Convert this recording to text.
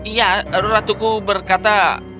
ya ratuku berkata